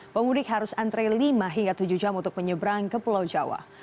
pemudik harus antre lima hingga tujuh jam untuk menyeberang ke pulau jawa